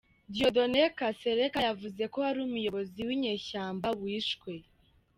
Dieudonné Kasereka, yavuze ko hari n’umuyobozi w’inyeshyamba wishwe.